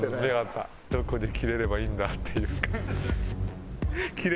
「どこでキレればいいんだ？」っていう顔してる。